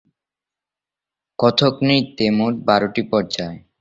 কথক নৃত্যে মোট বারোটি পর্যায়।